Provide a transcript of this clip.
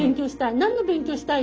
何の勉強したい？